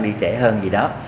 đi trễ hơn gì đó